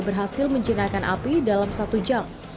berhasil menjinakkan api dalam satu jam